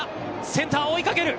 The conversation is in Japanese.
センター追いかける。